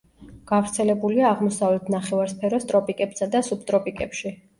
გავრცელებულია აღმოსავლეთ ნახევარსფეროს ტროპიკებსა და სუბტროპიკებში.